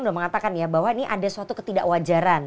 sudah mengatakan ya bahwa ini ada suatu ketidakwajaran